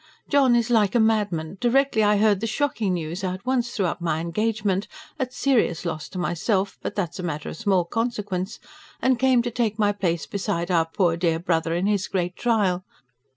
JOHN IS LIKE A MADMAN. DIRECTLY I HEARD THE "SHOCKING" NEWS, I AT ONCE THREW UP MY ENGAGEMENT AT "SERIOUS" LOSS TO MYSELF, BUT THAT IS A MATTER OF SMALL CONSEQUENCE AND CAME TO TAKE MY PLACE BESIDE OUR POOR DEAR BROTHER IN HIS GREAT TRIAL.